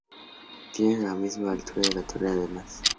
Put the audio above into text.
Tiene la misma altura que la torre Ademuz.